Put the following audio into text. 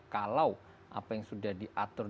kalau apa yang sudah diatur